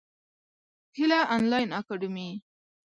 هیله انلاین اکاډمي.